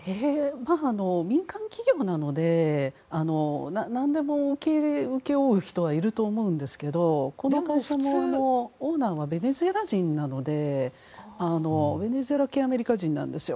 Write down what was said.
民間企業なので何でも、請け負う人はいると思うんですけどでも、この会社のオーナーはベネズエラ人なのでベネズエラ系のアメリカ人なんですよ。